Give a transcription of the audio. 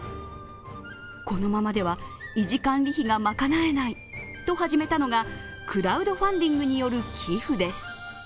このままでは維持管理費が賄えないと始めたのがクラウドファンディングによる寄付です。